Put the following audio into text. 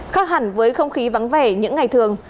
khác hẳn với không khí vắng vẻ những ngày thường